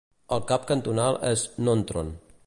El cap cantonal és Nontron.